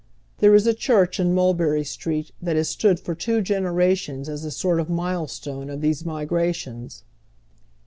There is a church in Mulberry Street that lias stood for two generations as a sort of milestone of these migrations.